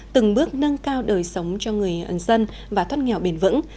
từng bước nâng cao đời sống cho người ân dân và thoát nghèo bền vững